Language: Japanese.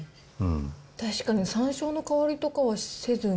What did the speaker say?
確かにさんしょうの香りとかはせずに。